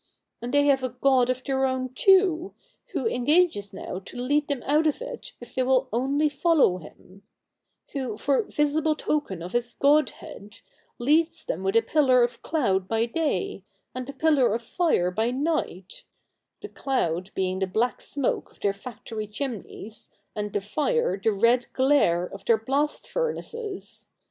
And they have a God of their own too, who engages now to lead them out of it if they will only follow him : who, for visible token of his Godhead, leads them with a pillar of cloud by day, and a pillar of fire by night — the cloud being the black smoke of their factory chimneys, and the fire the red glare of their blast furnaces.